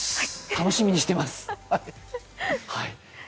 楽しみにしています。